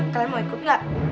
kalian mau ikut gak